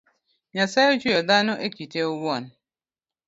Nyasaye ochueyo dhano ekite owuon